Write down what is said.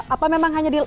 apa memang hanya di